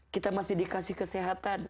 kita masih dikasih kesehatan